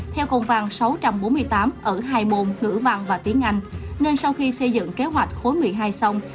theo công vàng sáu trăm bốn mươi tám ở hai môn ngữ văn và tiếng anh nên sau khi xây dựng kế hoạch khối một mươi hai xong